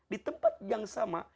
di tempat yang sama